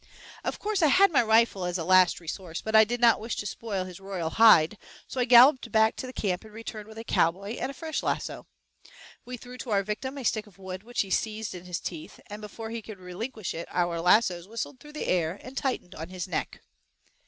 Of course I had my rifle as a last resource, but I did not wish to spoil his royal hide, so I galloped back to the camp and returned with a cowboy and a fresh lasso. We threw to our victim a stick of wood which he seized in his teeth, and before he could relinquish it our lassoes whistled through the air and tightened on his neck.